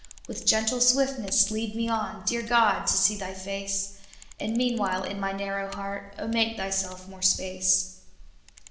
" With gentle swiftness lead me on, Dear God ! to see Thy face ; And meanwhile in my narrow heart, Oh, make Thyself more space.